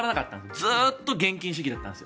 ずっと現金主義だったんです。